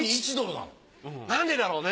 なんでだろうね。